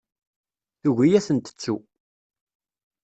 Tugi ad tent-tettu.